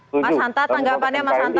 mas hanta tanggapannya